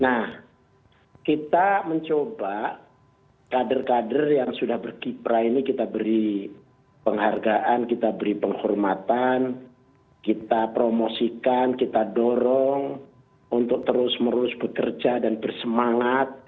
nah kita mencoba kader kader yang sudah berkiprah ini kita beri penghargaan kita beri penghormatan kita promosikan kita dorong untuk terus menerus bekerja dan bersemangat